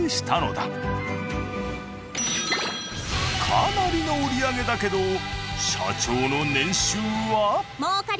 かなりの売り上げだけど社長の年収は？